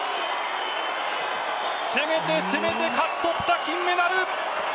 攻めて攻めて勝ち取った金メダル。